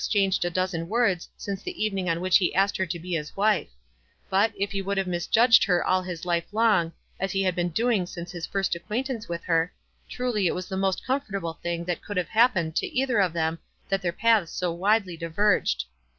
5 changed a dozen words since the evening on •which he asked her to be his wife ; but if he would have misjudged her all his life long as he had been doing since his first acquaintance with her, truly it was the most comfortable thing that could have happened to either of them that their paths so widely diverged.